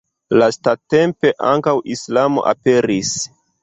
Lastatempe ankaŭ islamo aperis.